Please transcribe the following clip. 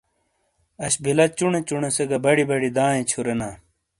اش بیلہ چُونے چُونے سے گہ بڑی بڑی دایئے چُھورینا ۔